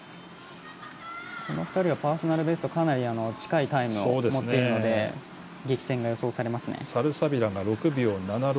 この２人はパーソナルベストかなり近いタイムを持っているのでサルサビラが６秒７６